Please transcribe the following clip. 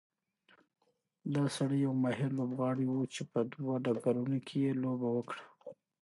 دا سړی یو ماهر لوبغاړی و چې په دوه ډګرونو کې یې لوبه وکړه.